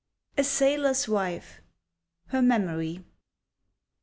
A SAILOR'S WIFE. (HER MEMORY.)